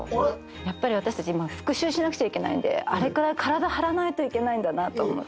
やっぱり私たち今復讐しなくちゃいけないんであれくらい体張らないといけないんだなと思って。